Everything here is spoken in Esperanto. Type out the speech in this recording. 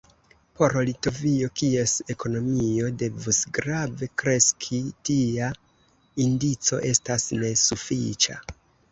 Por Litovio, kies ekonomio devus grave kreski, tia indico estas nesufiĉa.